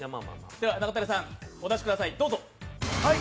では中谷さん、お出しください。